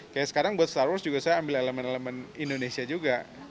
kayak sekarang buat star wars juga saya ambil elemen elemen indonesia juga